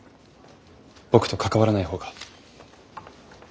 僕と関わらない方が。